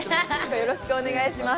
よろしくお願いします。